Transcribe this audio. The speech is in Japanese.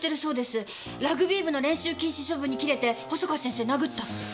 ラグビー部の練習禁止処分にキレて細川先生殴ったって。